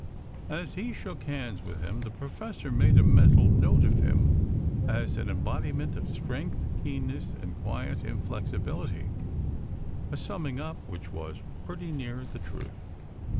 As he shook hands with him the Professor made a mental note of him as an embodiment of strength, keenness, and quiet inflexibility: a summing up which was pretty near the truth.